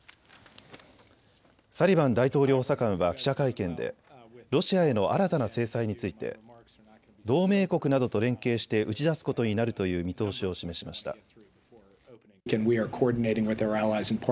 サリバン大統領補佐官は記者会見でロシアへの新たな制裁について同盟国などと連携して打ち出すことになるという見通しを示しました。